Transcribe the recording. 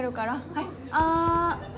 はいあん。